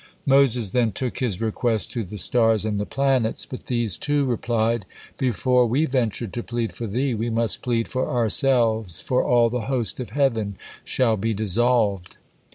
'" Moses then took his request to the Stars and the Planets, but these, too, replied: "Before we venture to plead for thee, we must plead for ourselves, for 'all the host of heaven shall be dissolved.'"